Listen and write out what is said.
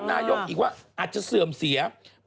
จากธนาคารกรุงเทพฯ